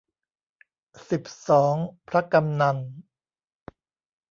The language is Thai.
สิบสองพระกำนัล